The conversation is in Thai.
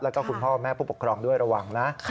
แล้วก็คุณพ่อแม่ผู้ปกครองด้วยระวังนะ